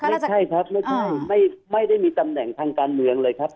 ไม่ใช่ครับไม่ใช่ไม่ได้มีตำแหน่งทางการเมืองเลยครับ